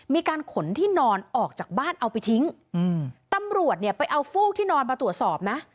มีการขนที่นอนออกจากบ้านเอาไปทิ้งอืมตำรวจเนี่ยไปเอาฟูกที่นอนมาตรวจสอบนะ